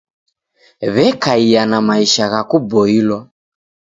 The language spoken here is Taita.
W'ekaia na maisha gha kuboilwa